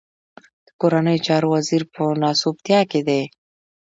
د کورنيو چارو وزير په ناسوبتيا کې دی.